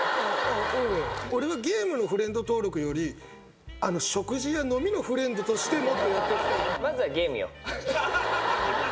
俺はゲームのフレンド登録より食事や飲みのフレンドとしての。